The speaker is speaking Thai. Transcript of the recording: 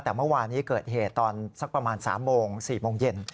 แต่เมื่อวานี้เกิดเหตุตอนสักประมาณ๓โมง๔โมงเย็น